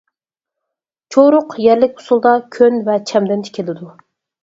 چورۇق يەرلىك ئۇسۇلدا كۆن ۋە چەمدىن تىكىلىدۇ.